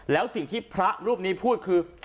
แล้วสิ่งที่พระรูปนี้พูดคือ